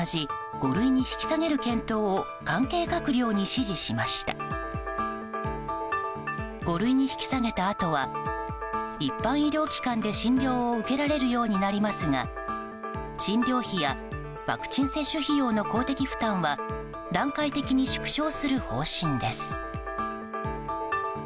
五類に引き下げたあとは一般医療機関で診療を受けられるようになりますが診療費やワクチン接種費用の公的負担は段階的に縮小する方針です。